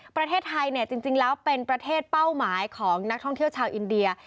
ประเทศไทยจริงแล้วเป็นประเทศเป้าหมายของนักท่องเที่ยวชาวอินเดีย